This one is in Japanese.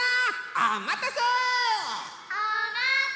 おまたせ！